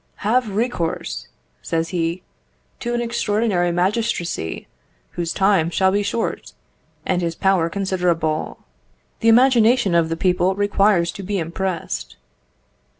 "Have recourse," says he, "to an extraordinary magistracy, whose time shall be short, and his power considerable. The imagination of the people requires to be impressed."